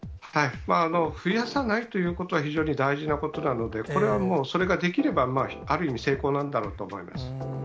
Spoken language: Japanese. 増やさないということは非常に大事なことなので、これはもう、それができれば、ある意味成功なんだろうと思います。